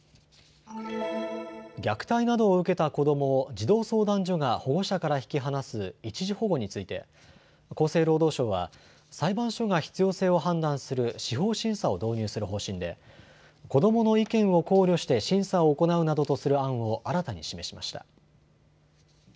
虐待などを受けた子どもを児童相談所が保護者から引き離す一時保護について厚生労働省は裁判所が必要性を判断する司法審査を導入する方針で子どもの意見を考慮して審査を行うなどとする案を新たに示しました。